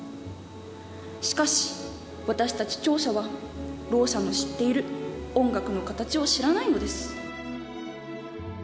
しかし私たち聴者はろう者の知っている音楽の形を知らないのです。